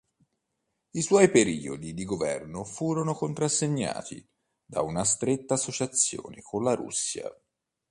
I suoi periodi di governo furono contrassegnati da una stretta associazione con la Russia.